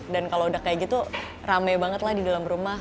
dan kalau sudah kayak gitu rame banget lah di dalam rumah